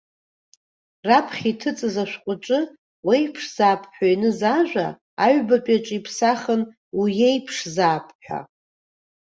Раԥхьа иҭыҵыз ашәҟәы аҿы уеиԥшзаап ҳәа ианыз ажәа, аҩбатәи аҿы иԥсахын уиеиԥшзаап ҳәа.